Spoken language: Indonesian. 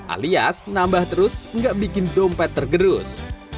alias nambah terus nggak bikin dompet tergerus